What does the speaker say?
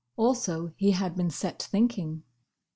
Also he had been set thinking.